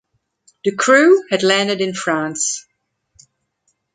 The crew had landed in France.